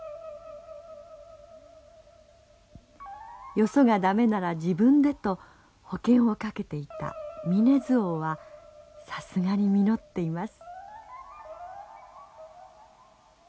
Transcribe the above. よそが駄目なら自分でと保険を掛けていたミネズオウはさすがに実っています。